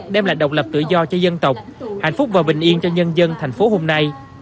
đem lại độc lập tự do cho dân tộc hạnh phúc và bình yên cho nhân dân thành phố hôm nay